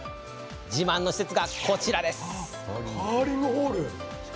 自慢の施設が、こちらです。